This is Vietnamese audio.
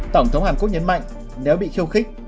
tổng thống hàn quốc nhấn mạnh nếu bị khiêu khích